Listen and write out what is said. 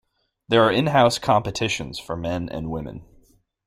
There are in-house competitions for men and women.